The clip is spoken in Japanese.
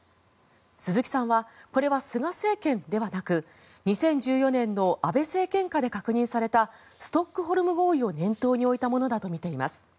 鈴木さんはこれは菅政権ではなく２０１４年の安倍政権下で確認されたストックホルム合意を念頭に置いたものだとみています。